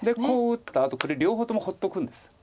こう打ったあとこれ両方とも放っとくんです。